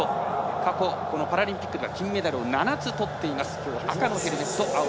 過去パラリンピックでは７つ、とっています。